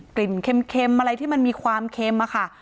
กลิ่นเค็มอะไรที่มันมีความเค็มอะค่ะ